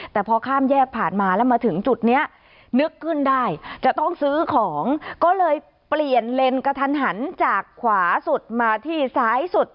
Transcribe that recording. แต่พอข้ามแยกผ่านมาแล้วมาถึงจุดนี้นึกขึ้นได้จะต้องซื้อของก็เลยเปลี่ยนเลนส์กระทันหันจากขวาสุดมาที่ซ้ายสุด